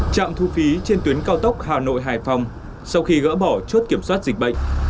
chạm thu phí trên tuyến cao tốc hà nội hài phong sau khi gỡ bỏ chốt kiểm soát dịch bệnh